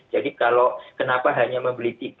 jadi kalau kenapa hanya membeli tiga